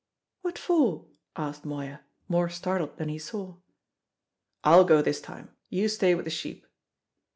"What for?" asked Moya, more startled than he saw. "I'll go this time. You stay with the sheep."